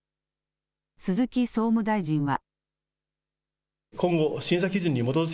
鈴木総務大臣は。